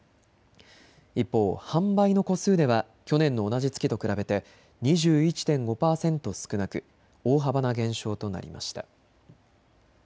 一方、販売の戸数では去年の同じ月と比べて２１．５％少なく大幅な減少となりました。